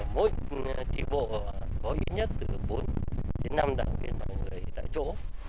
mỗi chị bộ có ít nhất từ bốn đến năm đảng viên đảng viên tại chỗ